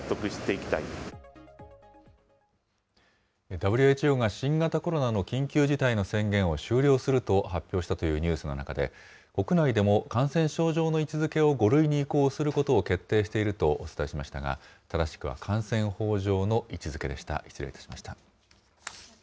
ＷＨＯが新型コロナの緊急事態の宣言を終了すると発表したというニュースの中で、国内でも感染症上の位置づけを５類に移行することを決定しているとお伝えしましたが、正しくは感染法上の位置づけでした、失礼いたしました。